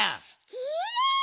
きれい！